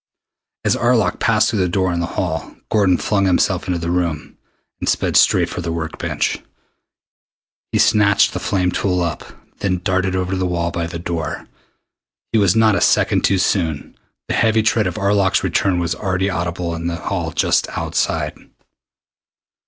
As Arlok passed through the door into the hall Gordon flung himself into the room, and sped straight for the work bench. He snatched the flame tool up, then darted over to the wall by the door. He was not a second too soon. The heavy tread of Arlok's return was already audible in the hall just outside.